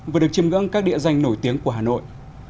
vừa được chiêm ngưỡng các địa danh nổi tiếng của hà nội